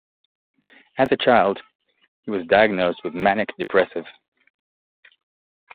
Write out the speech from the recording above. As a child he was diagnosed as manic-depressive.